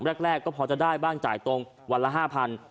แรกก็พอจะได้บ้างจ่ายตรงวันละ๕๐๐บาท